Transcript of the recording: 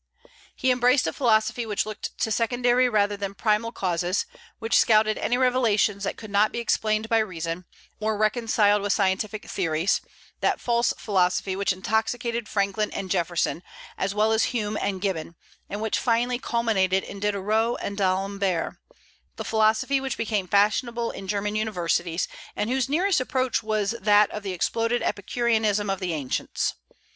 He embraced a philosophy which looked to secondary rather than primal causes, which scouted any revelations that could not be explained by reason, or reconciled with scientific theories, that false philosophy which intoxicated Franklin and Jefferson as well as Hume and Gibbon, and which finally culminated in Diderot and D'Alembert; the philosophy which became fashionable in German universities, and whose nearest approach was that of the exploded Epicureanism of the Ancients.